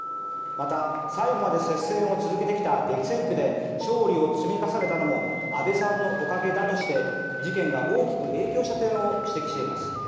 また、最後まで接戦を続けてきた激戦区で勝利を積み重ねたのも安倍さんのおかげだとして事件が大きく影響した点を指摘しています。